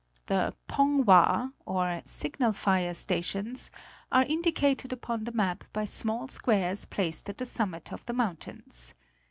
The pong wa, or signal fire stations, are indicated upon the map by small squares placed at the summit of the mountains.